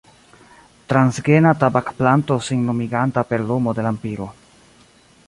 Transgena tabakplanto sin lumiganta per lumo de lampiro.